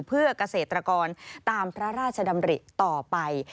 เพื่อเกษตรกรตามพระราชดำริต่อไป